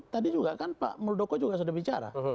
tadi juga kan pak muldoko juga sudah bicara